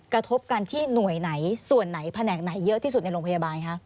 กระทบกันที่หน่วยไหนส่วนไหนแผนกไหนเยอะที่สุดในโรงพยาบาลคะ